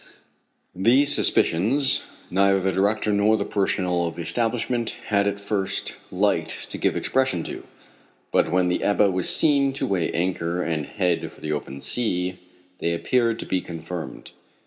These suspicions, neither the director nor the personnel of the establishment had at first liked to give expression to, but when the Ebba was seen to weigh anchor and head for the open sea, they appeared to be confirmed.